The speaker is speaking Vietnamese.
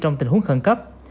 trong tình huống khẩn cấp